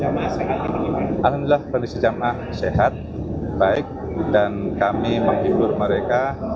alhamdulillah kondisi jamaah sehat baik dan kami menghibur mereka